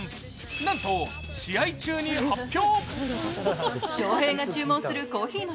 なんと試合中に発表。